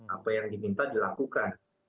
apa yang diminta dilakukan